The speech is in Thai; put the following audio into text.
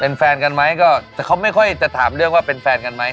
เป็นแฟนกันไหมก็แต่เขาไม่ค่อยจะถามเรื่องว่าเป็นแฟนกันไหม